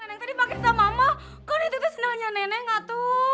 neng tadi pake hidup mama kan itu senangnya nenek gak tuh